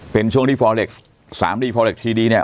เป็นช่วงที่ฟอร์เล็กสามดีฟอร์เล็กทีดีเนี่ย